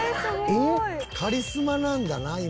カリスマなんだな今。